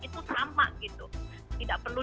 itu sama gitu tidak perlu